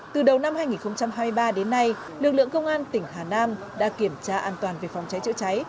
từ đầu năm hai nghìn hai mươi ba đến nay lực lượng công an tỉnh hà nam đã kiểm tra an toàn về phòng cháy chữa cháy